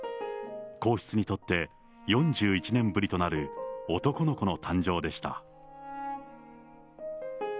皇室にとって、４１年ぶりとなる男の子の誕生でした。